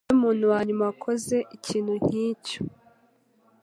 Niwe muntu wanyuma wakoze ikintu nkicyo.